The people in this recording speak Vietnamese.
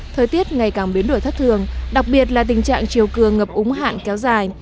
thời tiết ngày càng biến đổi thất thường đặc biệt là tình trạng chiều cường ngập úng hạn kéo dài